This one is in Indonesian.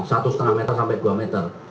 satu setengah meter sampai dua meter